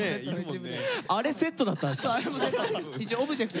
あれセットだったんですかさあ